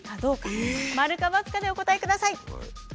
「〇」か「×」かでお答えください。